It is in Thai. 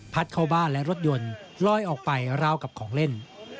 เข้าบ้านและรถยนต์ลอยออกไปราวกับของเล่น